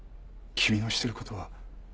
君のしてる事は。